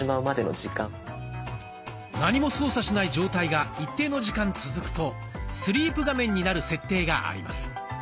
何も操作しない状態が一定の時間続くとスリープ画面になる設定があります。